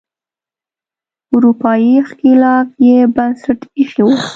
اروپایي ښکېلاک یې بنسټ ایښی و.